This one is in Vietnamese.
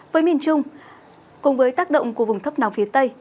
với miền trung cùng với tác động của vùng thấp nóng phía tây